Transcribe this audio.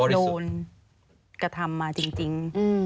โดนกระทำมาจริง